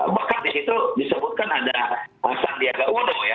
bahkan di situ disebutkan ada pasang diaga uno ya